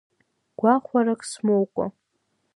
Гәахәарак смоукәа…